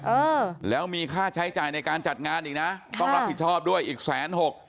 เออแล้วมีค่าใช้จ่ายในการจัดงานอีกนะต้องรับผิดชอบด้วยอีกแสนหก